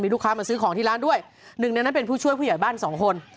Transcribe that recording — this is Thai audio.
ลูกค้ามาซื้อของที่ร้านด้วยหนึ่งในนั้นเป็นผู้ช่วยผู้ใหญ่บ้านสองคน